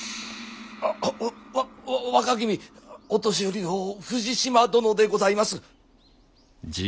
わ若君御年寄の富士島殿でございます。